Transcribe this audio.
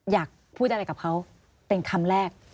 อยากพูดอะไรกับเขาเป็นคำแรก